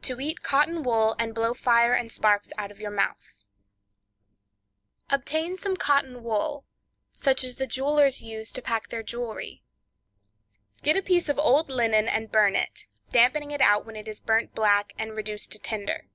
To Eat Cotton Wool and Blow Fire and Sparks Out of Your Mouth.—Obtain some Cotton wool, such as the jewelers use to pack their jewelry; get a piece of old linen and burn it, dampening it out when it is burnt black and reduced to tinder.